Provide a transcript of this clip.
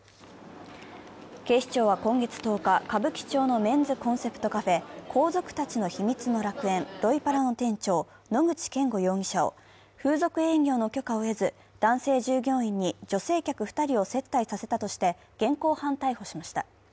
警視庁は今月１０日、歌舞伎町のメンズコンセプトカフェ、皇族達の秘密の楽園ＲｏｉＰａＬａの店長、野口顕吾容疑者を風俗営業の許可を得ず男性従業員に女性客２人を接待させたとして現行犯逮捕しました。